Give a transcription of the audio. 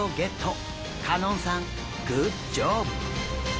香音さんグッジョブ！